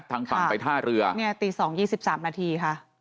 ทางฝั่งไปท่าเรือเนี่ยตี๒๒๓นาทีค่ะ